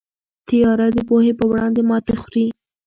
تیاره د پوهې په وړاندې ماتې خوري.